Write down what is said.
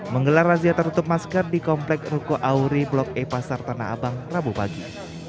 menggelar razia tertutup masker di komplek ruko auri blok e pasar tanah abang rabu pagi